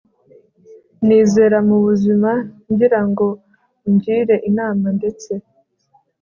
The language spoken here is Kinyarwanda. nizera mubuzima ngira ngo ungire inama ndetse